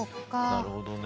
なるほどね。